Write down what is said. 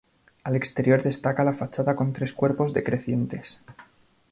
Al exterior destaca la fachada con tres cuerpos decrecientes.